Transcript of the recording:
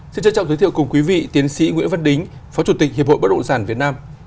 xin trân trọng giới thiệu cùng quý vị tiến sĩ nguyễn văn đính phó chủ tịch hiệp hội bất động sản việt nam